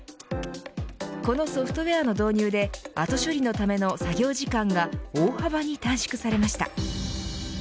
このソフトウエアの導入で後処理のための作業時間が大幅に短縮されました。